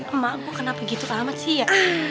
emang kenapa begitu ramad sih ya